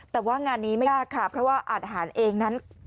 แต่ว่างานนี้ไม่ยากค่ะเพราะว่าอาหารเองนั้น